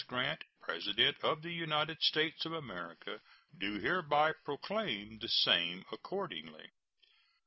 Grant, President of the United States of America, do hereby proclaim the same accordingly.